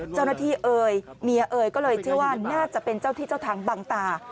เอ่ยเมียเอ๋ยก็เลยเชื่อว่าน่าจะเป็นเจ้าที่เจ้าทางบังตา